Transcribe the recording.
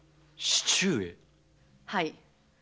はい。